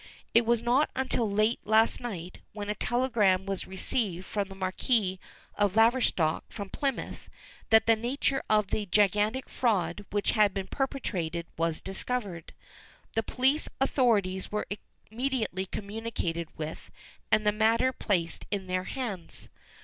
It was not until late last night, when a telegram was received from the Marquis of Laverstock from Plymouth, that the nature of the gigantic fraud which had been perpetrated was discovered. The police authorities were immediately communicated with and the matter placed in their hands.